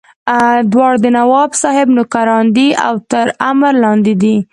دواړه د نواب صاحب نوکران دي او تر امر لاندې دي.